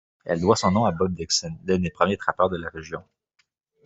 Elle doit son nom à Bob Dixon, l'un des premiers trappeurs de la région.